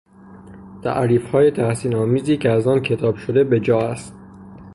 تعریفهای تحسینآمیزی که از آن کتاب شده به جا است.